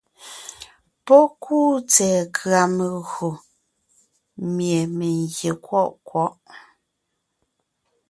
Pɔ́ kúu tsɛ̀ɛ nkʉ̀a megÿò mie gyè kwɔʼ kwɔ̌ʼ.